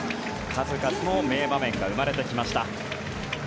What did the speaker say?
数々の名場面が生まれてきました。